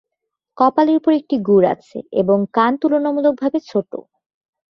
কপালের উপর একটি গুড় আছে, এবং কান তুলনামূলকভাবে ছোট।